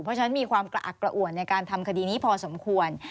เพราะฉะนั้นมีความกระอักกระอ่วนในการทำคดีนี้พอสมควร